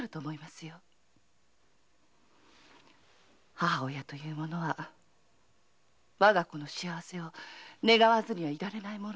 母親とはわが子の幸せを願わずにはいられないものです。